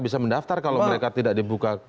bisa mendaftar kalau mereka tidak dibuka